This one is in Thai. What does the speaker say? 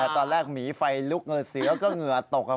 ตอนแรกหมีไฟลุกเสือก็เหงื่อตกครับ